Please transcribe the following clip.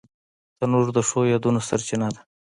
تنور د ښو یادونو سرچینه ده